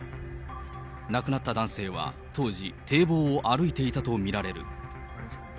亡くなった男性は当時、堤防を歩いていたと見られる。